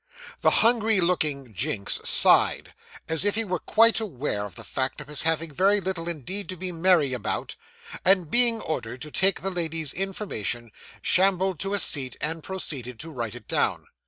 The hungry looking Jinks sighed, as if he were quite aware of the fact of his having very little indeed to be merry about; and, being ordered to take the lady's information, shambled to a seat, and proceeded to write it down.